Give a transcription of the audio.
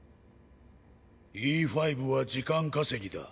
Ｅ５は時間稼ぎだ。